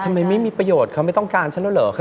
ทำไมไม่มีประโยชน์เขาไม่ต้องการฉันแล้วเหรอ